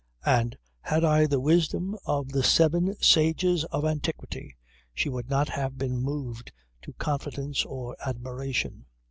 And had I had the wisdom of the Seven Sages of Antiquity, she would not have been moved to confidence or admiration.